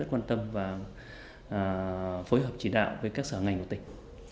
rất là quan tâm và phối hợp chỉ đạo với các sở ngành của tỉnh